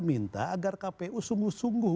minta agar kpu sungguh sungguh